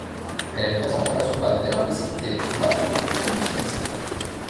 Elle est présente à la surface des Lymphocytes T matures et des Thymocytes.